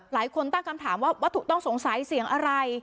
หลายคนตั้งคำถามว่าถูกต้องสงสัยเมื่อเสียงอะไร